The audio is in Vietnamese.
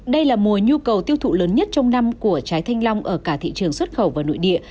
đây là mùa nhu cầu tiêu thụ lớn nhất trong năm của trái thanh long ở cả thị trường xuất khẩu và nội địa